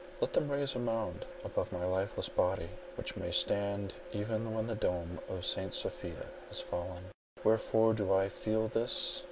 Let them raise a mound above my lifeless body, which may stand even when the dome of St. Sophia has fallen. "Wherefore do I feel thus?